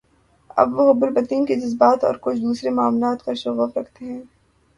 اب وہ حب الوطنی کے جذبات اور کچھ دوسرے معاملات کا شغف رکھتے ہیں۔